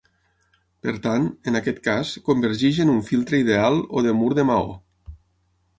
Per tant, en aquest cas, convergeix en un filtre ideal o de mur de maó.